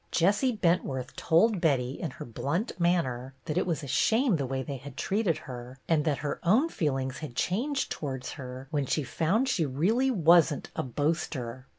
Jessie Bentworth told Betty in her blunt manner that it was a shame the way they had treated her, and that her own feelings had changed towards her when she found she really was n't a boaster.